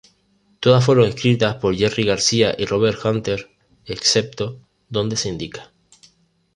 Todas fueron escritas por Jerry García y Robert Hunter excepto donde se indica.